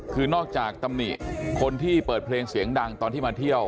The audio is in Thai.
คือนอกจากตำหนิคนที่เปิดเพลงเสียงดังตอนที่มาเที่ยว